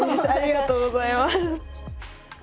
ありがとうございます。